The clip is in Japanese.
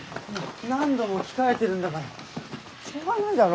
何度も着替えてるんだからしょうがないだろ。